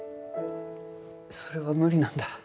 それは無理なんだ。